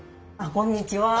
こんにちは。